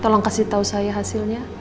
tolong kasih tahu saya hasilnya